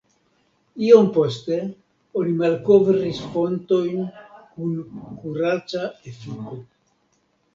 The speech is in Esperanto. Iom poste oni malkovris fontojn kun kuraca efiko.